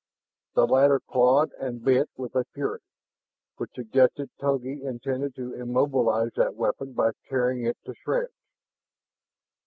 The latter clawed and bit with a fury which suggested Togi intended to immobilize that weapon by tearing it to shreds.